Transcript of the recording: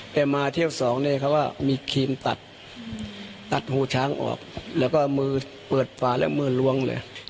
มาเที่ยวสองเนี่ยเขาก็มีครีมตัดตัดหูช้างออกแล้วก็มือเปิดฝาแล้วมือล้วงเลย